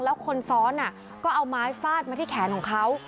แล้วคนซ้อนก็เอาไม้ฟาดมาที่แขนของเขา